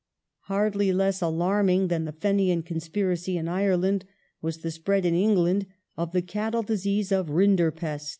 Hardly less alarming than the Fenian conspiracy in Ireland Cattle was the spread in England of the cattle disease or Rinderpest.